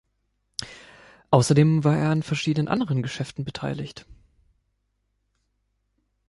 Außerdem war er an verschiedenen anderen Geschäften beteiligt.